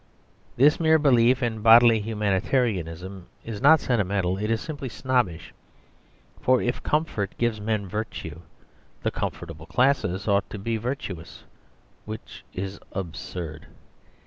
This mere belief in bodily humanitarianism is not sentimental; it is simply snobbish. For if comfort gives men virtue, the comfortable classes ought to be virtuous which is absurd.